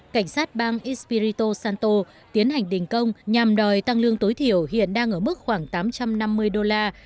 cảnh sát bang ispirito santo tiến hành đình công nhằm đòi tăng lương tối thiểu hiện đang ở mức khoảng tám trăm năm mươi đô la